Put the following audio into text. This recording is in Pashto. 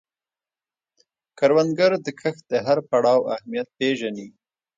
کروندګر د کښت د هر پړاو اهمیت پېژني